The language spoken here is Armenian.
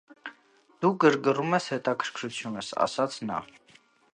- Դու գրգռում ես հետաքրքրությունս,- ասաց նա: